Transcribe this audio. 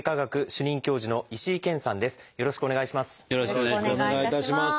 よろしくお願いします。